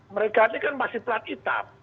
mereka ini kan masih plat hitam